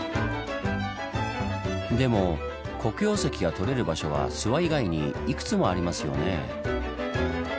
でも黒曜石がとれる場所は諏訪以外にいくつもありますよねぇ。